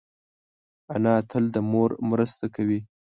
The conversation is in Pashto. انا تل د مور مرسته کوي